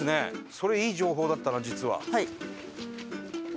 それいい情報だったな実は。